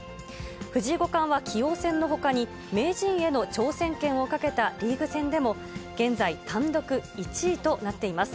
藤井五冠は棋王戦のほかに、名人への挑戦権をかけたリーグ戦でも、現在、単独１位となっています。